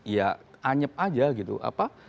ya anyap aja gitu apa